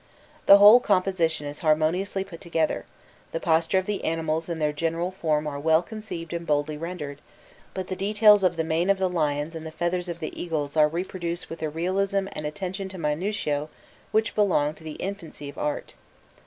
The whole composition is harmoniously put together, the posture of the animals and their general form are well conceived and boldly rendered, but the details of the mane of the lions and the feathers of the eagles are reproduced with a realism and attention to minutio which belong to the infancy of art.